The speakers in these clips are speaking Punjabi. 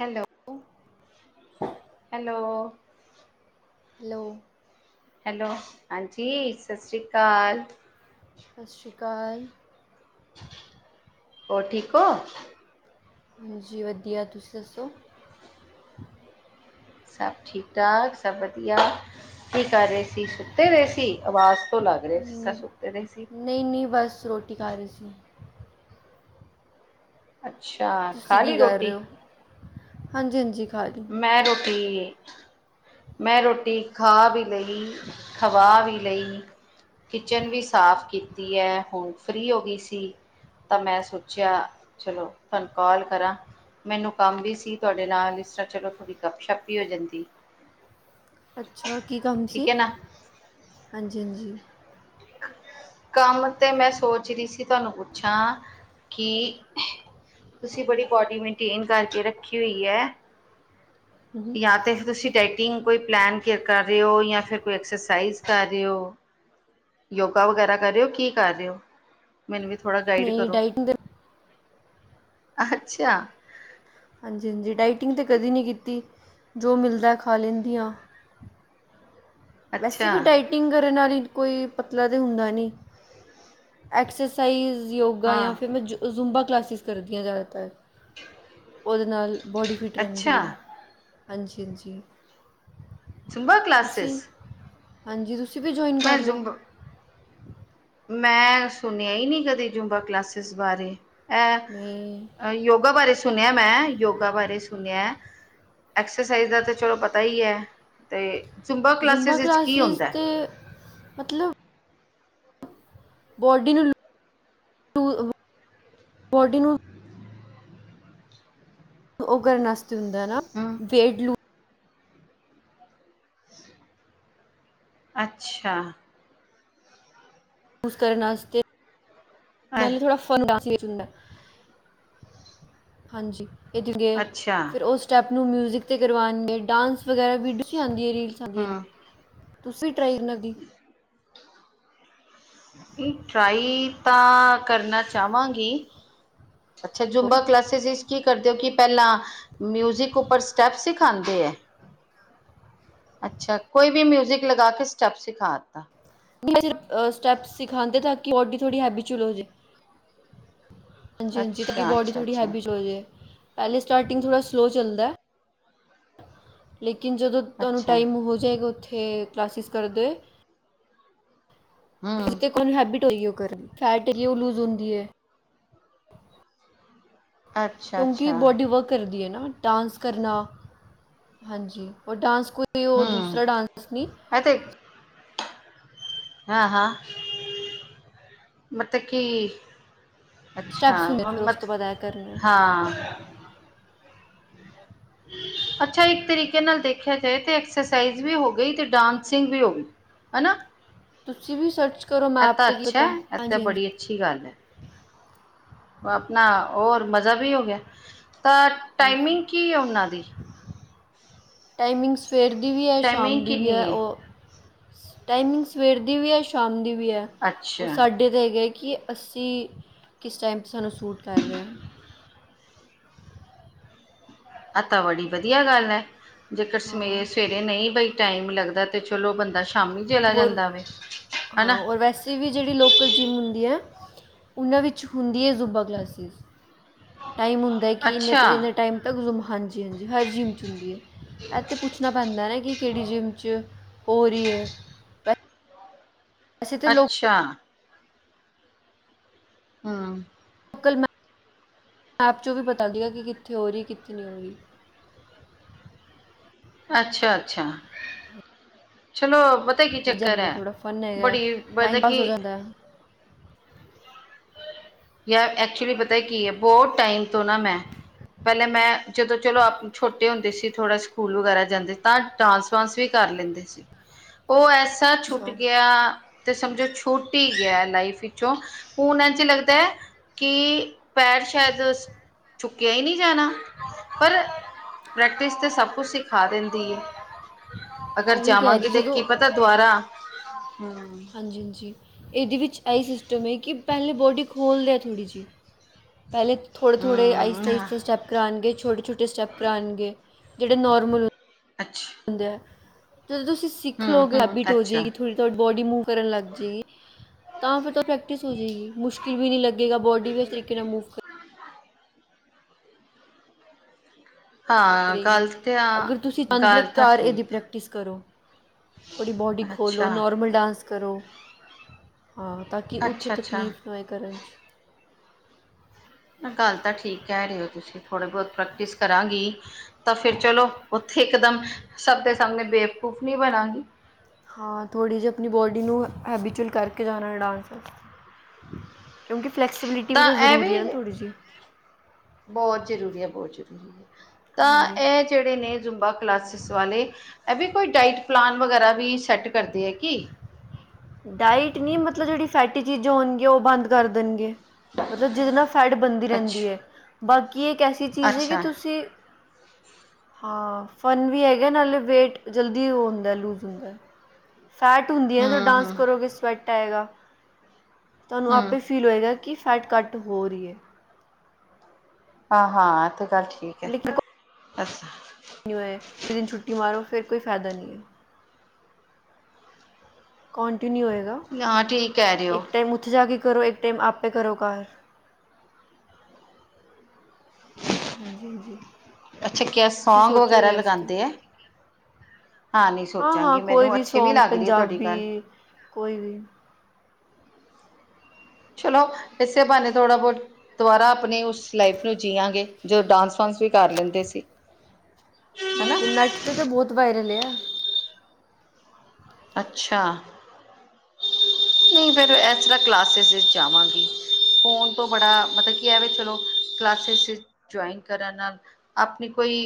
Hello- hello. ਹੈਲੋ। ਹੈਲੋ, ਹਾਂਜੀ ਸਤਿ ਸ਼੍ਰੀ ਅਕਾਲ। ਸਤਿ ਸ਼੍ਰੀ ਅਕਾਲ। ਹੋਰ ਠੀਕ ਓ। ਹਾਂਜੀ ਵਧੀਆ ਤੁਸੀਂ ਦੱਸੋ। ਸਭ ਠੀਕ ਠਾਕ- ਸਭ ਵਧੀਆ, ਕੀ ਕਰ ਰਹੇ ਸੀ ਸੁੱਤੇ ਦੇ ਸੀ ਅਵਾਜ਼ ਤੋਂ ਲੱਗ ਰਿਹਾ ਸੁੱਕਦੇ ਜਿਸ ਰਾ ਸੁੱਤੇ ਦੇ ਸੀ। ਨਈ- ਨਈ ਬਸ ਰੋਟੀ ਖਾ ਰੇ ਸੀਂ। ਅੱਛਾ। ਤੁਸੀਂ ਖਾ ਕੀ ਲਈ ਕਰ ਰਹੇ ਰੋਟੀ? ਓ, ਹਾਂਜੀ- ਹਾਂਜੀ ਖਾਲ ਮੈਂ ਰੋਟੀ ਮੈਂ ਰੋਟੀ ਖਾ ਵੀ ਲਈ, ਖਵਾ ਵੀ ਲਈ। ਕਿਚਨ ਵੀ ਸਾਫ਼ ਕੀਤੀ ਐ। ਹੁਨ ਫ੍ਰਰੀ ਹੋਗੀ ਸੀ। ਤਾਂ ਮੈਂ ਸੋਚੇਆ ਚਲੋ, ਤਾਨੂੰ ਕਾਲ ਕਰਾਂ। ਮੈਨੂੰ ਕੰਮ ਵੀ ਸੀ ਤਾਡੇ ਨਾਲ ਇਸ ਤਰਾਂ ਚਲੋ ਥੋੜੀ ਗੱਪਸ਼ੱਪ ਵੀ ਹੋ ਜਾਂਦੀ। ਅੱਛਾ ਕੀ ਕੰਮ ਸੀ? ਠੀਕ ਹੈ ਨਾ ਹਾਂਜੀ ਹਾਂਜੀ। ਕੰਮ ਤੇ ਮੈਂ ਸੋਚ ਰੀ ਸੀ ਤਾਨੂੰ ਪੁੱਛਾਂ ਕਿ ਤੁਸੀ ਬੜੀ ਬੋਡੀ ਮੇਨਟੇਨ ਕਰਕੇ ਰੱਖੀ ਹੋਈ ਐ। ਯਾ ਤੇ ਤੁਸੀ ਡਾਈਟਿੰਗ ਕੋਈ ਪਲੈਨ ਕਰ ਰੇਓ ਯਾਂ ਫੇਰ ਕੋਈ ਐਕਸਰਸਾਈਜ਼ ਕਰ ਰੇਓ। ਯੋਗਾ ਵਗੈਰਾ ਕਰ ਰੇਓ ਕੀ ਕਰ ਰੇਓ? ਮੈਨੂੰ ਵੀ ਥੋੜ੍ਹਾ ਗਾਈਡ ਨਹੀਂ ਕਰੋ। ਡਾਇਟਿੰਗ ਦੇ ਅੱਛਾ। ਹਾਂਜੀ ਹਾਂਜੀ ਡਾਇਟਿੰਗ ਤੇ ਕਦੇ ਨੀ ਕੀਤੀ। ਜੋ ਮਿਲਦਾ ਐ ਖਾ ਲੈਂਦੀ ਆਂ। ਵੈਸੇ ਅੱਛਾ ਵੀ ਡਾਈਟਿੰਗ ਕਰਨ ਨਾਲੀ ਕੋਈ ਪਤਲਾ ਤੇ ਹੁੰਦਾ ਨੀ। ਐਕਸਰਸਾਈਜ਼ ਯੋਗਾ ਯਾਂ ਹਾਂ ਫੇਰ ਮੈਂ ਜ਼ੁੁੰਬਾ ਕਲਾਸਿਸ ਕਰਦੀਆਂ ਜ਼ਆਦਾਤਰ। ਓਦੇ ਨਾਲ ਬੋਡੀ ਫਿੱਟ ਅੱਛਾ ਰੈਂਦੀ ਐ। ਹਾਂਜੀ ਹਾਂਜੀ। ਜੁੰਬਾਂ ਤੁਸੀਂ ਕਲਾਸਿਸ। ਹਾਂਜੀ ਤੁਸੀ ਵੀ ਜੁਆਇਨ ਮੈਂ ਕਰ ਲਓ। ਜ਼ੁੰਬਾ ਮੈਂ ਸੁਨੇਆ ਈ ਨੀ ਕਦੀ ਜੂੰਬਾ ਕਲਾਸਿਸ ਬਾਰੇ ਐ ਨਹੀਂ ਅ ਯੋਗਾ ਬਾਰੇ ਸੁਨੇਆ ਮੈਂ ਯੋਗਾ ਬਾਰੇ ਸੁਨੇਐ। ਐਕਸਰਸਾਈਜ਼ ਦਾ ਤੇ ਚਲੋ ਪਤਾ ਈਐ ਤੇ ਜੁੰਬਾ ਕਲਾਸਿਸ ਜ਼ੁੰਬਾ ਵਿੱਚ ਕੀ ਹੁੰਦੈ। ਤੇ ਮਤਲਬ ਬੋਡੀ ਨੂੰ [inaudible] ਬੋਡੀ ਨੂੰ ਓ ਕਰਨ ਆਸਤੇ ਹੁੰਦੈ ਨਾ ਹਮ ਵੇਟ ਲੂ ਅੱਛਾ। ਲੂਜ਼ ਕਰਨ ਆਸਤੇ ਅ ਨਾਲੇ ਥੋੜ੍ਹਾ ਹਾਂਜੀ [unintelligible] ਅੱਛਾ ਫੇਰ ਓਸ ਸਟੈਪ ਨੂੰ ਮਿਊਜ਼ਿਕ ਤੇ ਕਰਵਾਣਗੇ ਡਾਂਸ ਵਗੈਰਾ ਵੀਡੀਓਜ਼ ਆਂਦੀ ਰੀਲਸ ਆਂਦੀ ਹਮ ਤੁਸੀ ਟਰਾਈ ਕਰਨਾ ਦੀ। ਟਰਾਈ ਤਾਂ ਕਰਨਾ ਚਾਵਾਂਗੀ। ਅੱਛਾ ਹੋਰ ਜੁਮਬਾ ਨਹੀਂ ਕਲਾਸਿਸ ਇਚ ਕੀ ਕਰਦੇ ਓ ਕਿ ਪੈਲਾਂ ਮਿਊਜਿਕ ਉੱਪਰ ਸਟੈਪ ਸਿਖਾਂਦੇ ਐ। ਅੱਛਾ ਕੋਈ ਵੀ ਮਿਊਜ਼ਿਕ ਲਗਾ ਕੇ ਸਟੈਪ ਸਿਖਾਤਾ। ਸਟੈਪਸ ਸਿਖਾਂਦੇ ਤਾਂ ਕਿ ਓਡੀ ਥੋੜੀ ਹੈਬੀਚੁਲ ਹੋਜੇ। ਹਾਂਜੀ ਹਾਂਜੀ ਤਾਂ ਕਿ ਅੱਛਾ ਬੋਡੀ ਅੱਛਾ ਥੋੜੀ ਅੱਛਾ ਹੈਬੀਚਲ ਹੋਜੇ। ਪੈਲੇ ਸਟਾਰਟਿੰਗ ਥੋੜਾ ਸਲੋ ਚੱਲਦਾ ਐ‌। ਲੇਕਿਨ ਜਦੋਂ ਤਾਨੂੰ ਅੱਛਾ ਟਾਈਮ ਹੋ ਜੇਗਾ ਓਥੇ ਕਲਾਸਿਸ ਕਰਦੇੇ ਹਮ ਹੋਏ ਤਾਨੂੰ ਹੈਬਿਟ ਹੋਏਗੀ ਓ ਕਰਨ ਦੀ। ਫੈਟ ਏਰੀ ਓ ਲੂਜ਼ ਹੁੰਦੀ ਏ ਅੱਛਾ ਕਿਉਂਕਿ ਅੱਛਾ ਬੋਡੀ ਵਰਕ ਕਰਦੀ ਏ ਨਾ। ਡਾਂਸ ਕਰਨਾ, ਹਾਂਜੀ ਡਾਂਸ ਕੋਈ ਓ, ਦੂਸਰਾ ਡਾਂਸ ਨੀ। ਐਤੇ ਹਾਂ- ਹਾਂ। ਮਤ ਕੀ ਅੱਛਾ ਸਟੈਪਸ ਹੁੰਦੇ ਮ ਫਿਰ ਉਸ ਤੋਂ ਮਤ ਬਾਅਦ ਇਹ ਕਰਨਾ ਹੈ। ਹਾਂ ਅੱਛਾ ਏਕ ਤਰੀਕੇ ਨਾਲ ਦੇਖੇਆ ਜਾਏ ਤੇ ਐਕਸਸਾਈਜ਼ ਵੀ ਹੋ ਗਈ ਤੇ ਡਾਂਸਿੰਗ ਵੀ ਹੋਗੀ। ਹਨਾ। ਤੁਸੀ ਵੀ ਸਰਚ ਕਰੋ ਇਹ ਮੈਪ ਤਾਂ ਤੇ, ਕੀ ਅੱਛਾ ਪਤਾ ਹੈ ਇਹ ਤਾਂ ਹਾਂਜੀ-ਹਾਂਜੀ। ਬੜੀ ਅੱਛੀ ਗੱਲ ਐ। ਅਪਨਾ ਹੋਰ ਮਜਾ ਵੀ ਹੋ ਗੇਆ, ਤਾਂ ਟਾਈਮਿੰਗ ਕੀ ਐ ਓਨਾਂ ਦੀ ਟਾਈਮਿੰਗ ਸਵੇਰ ਦੀ ਵੀ ਐ, ਸ਼ਾਮ ਟਾਈਮਿੰਗ ਦੀ ਵੀ ਕਿੰਨੀ ਐ। ਹੈ ਓ ਟਾਈਮਿੰਗ ਸਵੇਰ ਦੀ ਵੀ ਐ, ਸ਼ਾਮ ਦੀ ਵੀ ਐ। ਉਹ ਅੱਛਾ ਸਾਡੇ ਹੈਗਾ ਕਿ ਅਸੀਂ ਕਿਸ ਟੈਮ 'ਤੇ ਸਾਨੂੰ ਸੂਟ ਕਰ ਰਿਹਾ ਆ ਤਾਂ ਬੜੀ ਵਧੀਆ ਗੱਲ ਐ, ਜੇਕਰ ਹਾਂ ਸਵੇਰੇ-ਸਵੇਰੇ ਨਹੀਂ ਬਈ ਟਾਈਮ ਲੱਗਦਾ ਤੇ ਚਲੋ ਬੰਦਾ ਸ਼ਾਮੀ ਚਲਾ ਜਾਂਦਾ ਵੇ, ਹਨਾ ਦੀ ਵੀ ਜੇੜੀ ਲੋਕਲ ਜਿੰਮ ਹੁੰਦੀ ਐ, ਉਹਨਾਂ ਵਿੱਚ ਹੁੰਦੀ ਐ ਜ਼ੂਬਾ ਕਲਾਸਿਸ ਟਾਈਮ ਹੁੰਦਾ ਏ ਕਿ ਇੰਨੇ ਅੱਛਾ ਤੋਂ ਇੰਨੇ ਟਾਈਮ ਤਕ ਜੂਬਾ, ਹਾਂਜੀ- ਹਾਂਜੀ, ਹਰ ਜਿੰਮ 'ਚ ਹੁੰਦੀ ਏ ਐਹ ਤੇ ਪੁੱਛਣਾ ਪੈਂਦਾ ਨਾ ਕਿ ਕੇੜੀ ਜਿੰਮ 'ਚ, ਹੋ ਰਹੀ ਏ, ਬ ਅੱਛਾ। ਹਾਂ। ਕਲ ਮੈਪ, ਮੈਪ ਚੋਂ ਵੀ ਪਤਾ ਕਿਆ, ਕਿ ਕਿੱਥੇ ਹੋ ਰਹੀ, ਕਿੱਥੇ ਨੀ ਹੋ ਰਹੀ ਅੱਛਾ- ਅੱਛਾ, ਚਲੋ ਵਧ ਪਤਾ ਕੀ ਚੱਕਰ ਜਾਂਦਾ ਐ, ਥੋੜਾ ਫਨ ਹੈਗਾ ਬੜੀ ਟਾਈਮ ਮਤਲਬ ਪਾਸ ਕਿ ਹੋ ਜਾਂਦਾ ਹੈ। ਯਾਰ ਐਕਚੁਲੀ ਪਤਾ ਕੀ ਐ, ਬਹੁਤ ਟਾਈਮ ਤੋਂ ਨਾ ਮੈਂ ਪਹਿਲੇ ਮੈਂ, ਜਦੋਂ ਚਲੋ ਆਪਾਂ ਛੋਟੇ ਹੁੰਦੇ ਸੀ ਥੋੜ੍ਹਾ ਸਕੂਲ ਵਗੈਰਾ ਜਾਂਦੇ ਸੀ, ਤਾਂ ਡਾਂਸ- ਵਾਂਸ ਵੀ ਕਰ ਲੈਂਦੇ ਸੀ, ਓ ਐਸ ਐਸਾ ਛੁੱਟ ਅੱਛਾ ਗਿਆ। ਤੇ ਸਮਝੋ ਛੁੱਟ ਈ ਗਿਆ ਲਾਈਫ ਵਿੱਚੋਂ, ਹੁਣ ਐੰਝ ਲੱਗਦਾ ਕੀ, ਪੈਰ ਸ਼ਾਇਦ ਅਸ ਚੁੱਕਿਆ ਈ ਨਹੀਂ ਜਾਣਾ, ਪਰ, ਪ੍ਰੈਕਟਿਸ ਤਾਂ ਸਭ ਸਭ ਕੁਛ ਸਿਖਾ ਦਿੰਦੀ ਏ, ਅਗਰ ਉਹੀ ਕਹਿ ਜਾਵਾਂਗੀ ਰਹੀ ਤੇ ਕੀ ਜਦੋਂ ਪਤਾ ਦੁਆਰਾ, ਹਮ ਹਾਂਜੀ- ਹਾਂਜੀ, ਇਹਦੇ ਵਿੱਚ ਐਹੀ ਸਿਸਟਮ ਐ, ਕਿ ਪਹਿਲੇ ਬੋਡੀ ਖੋਲਦੇ ਆ ਥੋੜ੍ਹੀ ਜਿਹੀ ਪਹਿਲੇ ਥੋੜੇ- ਥੋੜੇ, ਆਈਸਤਾ- ਹਮ ਆਈਸਤਾ ਸਟੈਪ ਕਰਾਉਣਗੇ, ਛੋਟੇ- ਛੋਟੇ ਸਟੈਪ ਕਰਾਉਣਗੇ, ਜੇੜੇ ਨੋਰਮਲ ਅੱਛ। ਹੁੰਦੇ ਐ, ਜਦੋਂ ਤੁਸੀਂ ਸਿੱਖ ਹੂੰ ਲਓਗੇ, ਹੂੰ ਹੈਬੀਟ ਹੋ ਅੱਛਾ ਜੇਗੀ ਥੋੜ੍ਹੀ ਤੁਹਾਡੀ ਬੋਡੀ ਮੂਵ ਕਰਨ ਲੱਗ ਜੇਗੀ ਤਾਂ ਫੇਰ ਤਾਂ ਪ੍ਰੈਕਟਿਸ ਹੋ ਜਾਏਗੀ, ਮੁਸ਼ਕਿਲ ਵੀ ਨੀ ਲੱਗੇਗਾ, ਬੋਡੀ ਵੀ ਇਸ ਤਰੀਕੇ ਨਾਲ ਮੂਵ ਕਰ ਹਾਂ ਗੱਲ ਕਰੇਗੀ, ਤੇ ਆ ਅਗਰ ਤੁਸੀਂ ਗੱਲ ਤਾਂ [unintelligible] ਇਹਦੀ ਠੀਕ ਪ੍ਰੈਕਟਿਸ ਕਰੋ ਥੋੜੀ ਬਾਡੀ ਹੈ ਖੋਲੋ, ਅੱਛਾ ਨਾਰਮਲ ਡਾਂਸ ਕਰੋ। ਹਾਂ, ਤਾਂਕਿ ਉੱਥੇ ਅੱਛਾ ਅੱਛਾ ਤਕਲੀਫ਼ ਨਾ ਹੋਏ ਕਰਨ 'ਚ ਗੱਲ ਤਾਂ ਠੀਕ ਕਹਿ ਰਹੇ ਓ ਤੁਸੀਂ, ਥੋੜ੍ਹੀ ਬਹੁਤ ਪ੍ਰੈਕਟਿਸ ਕਰਾਂਗੀ ਤਾਂ ਫੇਰ ਚਲੋ, ਉੱਥੇ ਇਕਦਮ, ਸਭ ਦੇ ਸਾਹਮਣੇ ਬੇਵਕੂਫ ਨੀ ਬਣਾਂਗੀ ਹਾਂ, ਥੋੜ੍ਹੀ ਜਿਹੀ ਆਪਣੀ ਬੋਡੀ ਨੂੰ, ਹੈਬੀਚੁਅਲ ਕਰਕੇ ਜਾਣਾ ਡਾਂਸ ਕਿਉਂਕਿ ਫੈਕਸੀਬਿਲਿਟੀ ਵੀ ਤਾਂ ਇਹ ਜ਼ਰੂਰੀ ਐ ਨਾ ਵੀ ਥੋੜ੍ਹੀ ਜਿਹੀ ਬਹੁਤ ਜ਼ਰੂਰੀ ਐ, ਬਹੁਤ ਜ਼ਰੂਰੀ ਐ, ਤਾਂ ਹਾਂਜੀ ਐਹ ਜਿਹੜੇ ਨੇ ਜ਼ੁੰਬਾ ਕਲਾਸਿਸ ਵਾਲੇ ਐਹ ਵੀ ਕੋਈ ਡਾਇਟ ਪਲਾਨ ਵਗੈਰਾ ਵੀ ਸੈੱਟ ਕਰਦੇ ਐ ਕਿ ਡਾਇਟ ਨੀ, ਮਤਲਬ ਜੇੜੀ ਫੈਟੀ ਚੀਜ਼ਾਂ ਹੋਣਗੀਆਂ, ਉਹ ਬੰਦ ਕਰ ਦੇਣਗੇ ਮਤਲਬ ਜਿਹਦੇ ਨਾਲ਼ ਫੈਟ ਬਣਦੀ ਰਹਿੰਦੀ ਏ, ਅੱਛਾ ਬਾਕੀ ਇੱਕ ਐਸੀ ਚੀਜ਼ ਏ, ਕਿ ਅੱਛਾ ਤੁਸੀਂ [inaudible] ਹਾਂ, ਫਨ ਵੀ ਹੈਗਾ ਨਾਲੇ ਵੇਟ, ਜਲਦੀ ਉਹ ਹੁੰਦਾ ਲੂਜ਼ ਹੁੰਦਾ ਫੈਟ ਹੁੰਦੀ ਐ ਨਾ ਹੂੰ ਜਦੋਂ ਡਾਂਸ ਹੂੰ ਕਰੋਗੇ ਸਵੈਟ ਆਏਗਾ, ਤੁਹਾਨੂੰ ਹੂੰ ਆਪੇਸ ਫੀਲ ਹੋਏਗਾ, ਕਿ ਫੈਟ ਘੱਟ ਹੋ ਰਹੀ ਏ ਹਾਂ- ਹਾਂ ਐਹ ਤੇ ਗੱਲ ਠੀਕ ਐ, ਲੇਕਿਨ ਅੱਛ [unintelligible] ਇੱਕ ਦਿਨ ਛੁੱਟੀ ਮਾਰੋ ਫੇਰ ਕੋਈ ਫੈਦਾ ਨੀ ਏ। ਕੋਂਟੀਨਿਊ ਹੋਏਗਾ ਹਾਂ ਠੀਕ ਕਹਿ ਰਹੇ ਹੋ ਇੱਕ ਟੈਮ ਉੱਥੇ ਜਾ ਕੇ ਕਰੋ ਇੱਕ ਟੈਮ ਆਪੇ ਕਰੋ ਘਰ। ਹਾਂਜੀ ਹਾਂਜੀ ਅੱਛਾ ਕਿਆ ਤੁਸੀਂ ਸੋਂਗ ਸੋਚੋ ਵਗੈਰਾ ਇਹਦੇ ਵਾਸਤੇ ਲਗਾਂਦੇ ਐ? ਹਾਂ ਨੀ ਹਾਂ-ਹਾਂ ਸੋਚਾਂਗੀ, ਕੋਈ ਮੈਨੂੰ ਅੱਛੇ ਵੀ ਸੌਂਗ ਲੱਗ ਰੀ ਐ ਤੁਆਡੀ ਗੱਲ। ਪੰਜਾਬੀ ਕੋਈ ਵੀ ਚਲੋ ਇਸੇ ਬਾਨੇ ਥੋੜ੍ਹਾ ਬੌਤ ਦੁਬਾਰਾ ਆਪਨੀ ਉਸ ਲਾਈਫ ਨੂੰ ਜੀਆਂਗੇ। ਜਓ ਡਾਂਸ -ਵਾਂਸ ਵੀ ਕਰ ਲੈਂਦੇ ਸੀ। ਹਨਾ ਬਿਲਕੁਲ ਨੈੱਟ ਤੇ ਤਾ ਬੌਤ ਵਾਇਰਲ ਆ। ਅੱਛਾ ਨਈ ਫਿਰ ਏਸ ਤਰ੍ਹਾਂ ਕਲਾਸਿਸ ਵਿੱਚ ਜਾਵਾਂਗੀ ਫ਼ੋਨ ਤੋਂ ਬੜਾ ਮਤਲ ਕੀ ਐ ਵੇ ਚਲੋ ਕਲਾਸਿਸ ਵਿੱਚ ਜੁਆਇਨ ਕਰਨ ਨਾਲ ਆਪਨੀ ਕੋਈ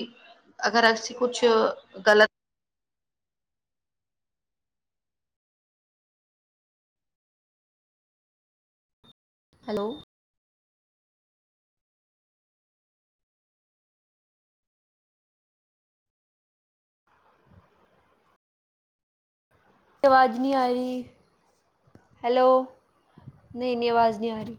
ਅਗਰ ਅਸੀ ਕੁੱਛ ਗਲਤ ਹੈਲੋ ਅਵਾਜ ਨੀ ਆ ਰੀ, ਹੈਲੋ ਨਈ -ਨੀ ਅਵਾਜ਼ ਨੀ ਆ ਰੀ।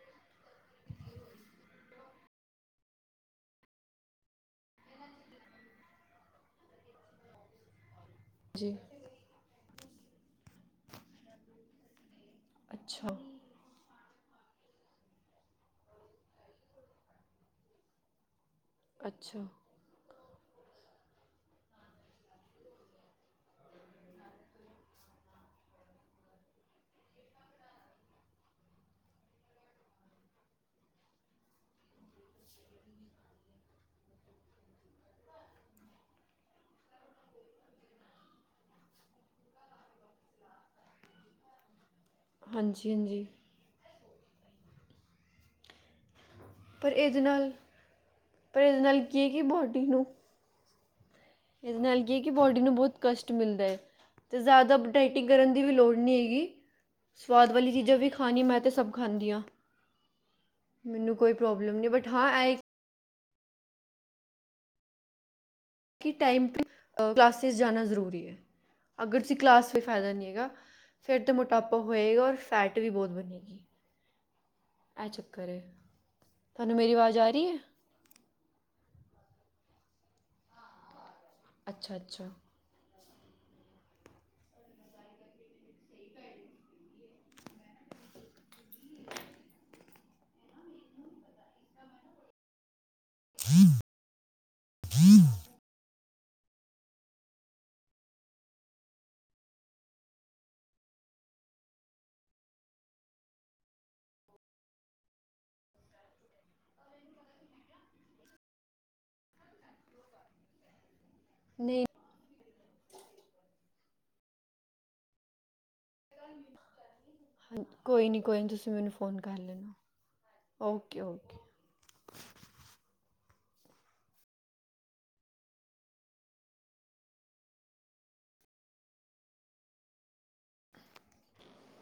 ਜੀ ਅੱਛਾ। ਅੱਛਾ [inaudible] ਹਾਂਜੀ ਅੰਜੀ ਪਰ ਏਦੇ ਨਾਲ, ਪਰ ਏਦੇ ਨਾਲ ਕੀ ਐ ਕਿ ਬੋਡੀ ਨੂੰ ਏਦੇ ਨਾਲ ਕੀ ਐ ਕਿ ਬੋਡੀ ਨੂੰ ਬੌਤ ਕਸ਼ਟ ਮਿਲਦੈ। ਅਤੇ ਜ਼ਿਆਦਾ ਅਬ ਡਾਇਟਿੰਗ ਕਰਨ ਦੀ ਵੀ ਲੋੜ ਨੀ ਹੇਗੀ ਸਵਾਦ ਵਾਲੀ ਚੀਜਾਂ ਵੀ ਖਾਣੀ ਮੈਂ ਤੇ ਸਬ ਖਾਂਦੀ ਆਂ। ਮੈਨੂੰ ਕੋਈ ਪ੍ਰੋਬਲਮ ਨਈ ਬਟ ਹਾਂ ਐ ਕਿ ਟਾਈਮ ਟੂ ਅ ਕਲਾਸਿਸ ਜਾਨਾ ਜ਼ਰੂਰੀ ਐ ਅਗਰ ਤੁਸੀ ਕਲਾਸ ਕੋਈ ਫੈਦਾ ਨੀ ਹੈਗਾ ਫੇਰ ਤੇ ਮੋਟਾਪਾ ਹੋਏਗਾ ਔਰ ਫੈਟ ਵੀ ਬੌਤ ਬਣੇਗੀ। ਐ ਚੱਕਰ ਏ, ਤਾਨੂੰ ਮੇਰੀ ਵਾਜ ਆ ਰੀ ਐ? ਅੱਛਾ- ਅੱਛਾ। [inaudible] ਨਈ [inaudible] ਹਾਂ ਕੋਈ ਨੀ ਕੋਈ ਨੀ ਤੁਸੀ ਮੈਨੂੰ ਫ਼ੋਨ ਕਰ ਲੈਣਾ ਓਕੇ ਓਕੇ